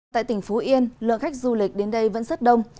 tại tỉnh phú yên lượng khách du lịch đến đây vẫn rất đông